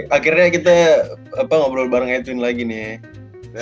akhirnya kita ngobrol bareng edwin lagi nih